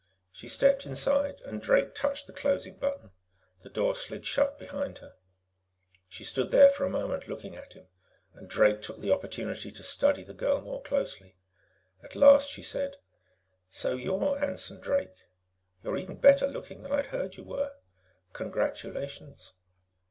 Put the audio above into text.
She stepped inside, and Drake touched the closing button. The door slid shut behind her. She stood there for a moment, looking at him, and Drake took the opportunity to study the girl more closely. At last, she said: "So you're Anson Drake. You're even better looking than I'd heard you were. Congratulations."